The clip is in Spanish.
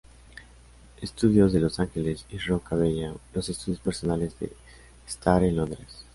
Studios de Los Ángeles y Rocca Bella, los estudios personales de Starr en Londres.